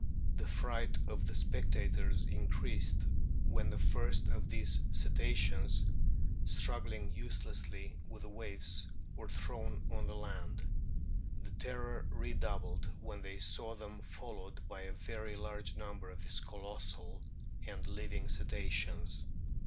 ... The fright of the spectators increased when the first of these Cetaceans, struggling uselessly with 2 o8 A BOOK OF" WHALES the waves, were thrown on the sand ; the terror redoubled when they saw them followed by a very large number of these colossal and living Cetaceans."